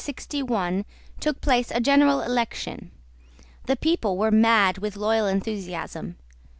Early in 1661 took place a general election. The people were mad with loyal enthusiasm.